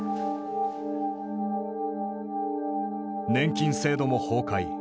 年金制度も崩壊。